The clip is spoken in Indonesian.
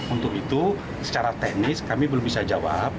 untuk itu secara teknis kami belum bisa jawab